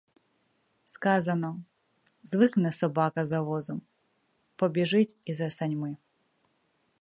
Сказано: звикне собака за возом — побіжить і за саньми.